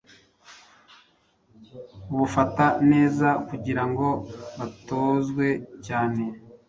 ubafata neza kugira ngo batozwe cyane